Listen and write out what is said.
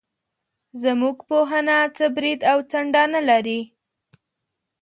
زموږ پوهنه څه برید او څنډه نه لري.